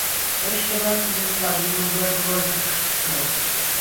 مشکلاتو د ده پلانونه ګډ وډ کړل.